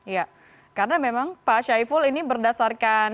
ya karena memang pak syaiful ini berdasarkan